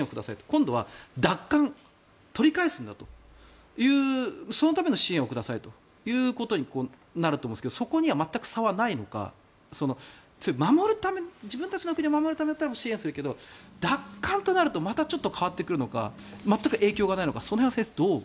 今度は奪還取り返すんだとそのための支援をくださいということになると思うんですけどそこには全く差はないのか自分たちだけで守るだけだったら支援するけれども、奪還となるとまたちょっと変わってくるのか全く影響がないのかその辺は先生どう。